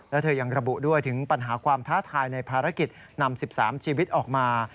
และเธอยังระบุด้วยถึงปัญหาความท้าทายในภารกิจนำ๑๓ชีวิตออกมา